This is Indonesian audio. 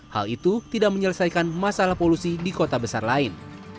hal itu tidak menyelesaikan masalah polusi di kota besar lain